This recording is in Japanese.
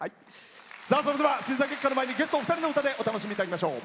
審査結果の前にゲストお二人の歌でお楽しみいただきましょう。